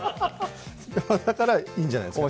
だからいいんじゃないですか。